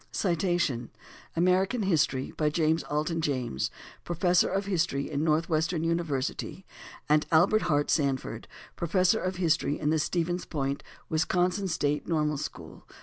["American History." By James Alton James, Professor of History in Northwestern University, and Albert Hart Sanford, Professor of History in the Stevens Point, Wisconsin State Normal School.